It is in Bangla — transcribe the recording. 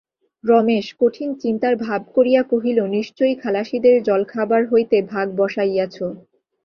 রমেশ কঠিন চিন্তার ভাব করিয়া কহিল, নিশ্চয়ই খালাসিদের জলখাবার হইতে ভাগ বসাইয়াছ।